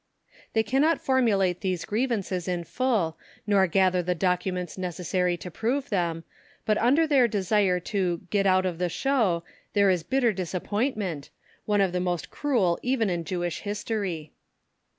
They cannot formulate these grievances in full, nor gather the documents necessary to prove them, but under their desire to "get out of the show" there is bitter disappointment, one of the most cruel even in Jewish history.